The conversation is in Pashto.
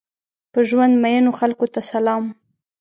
په ژوند مئینو خلکو ته سلام!